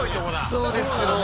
そうですよね。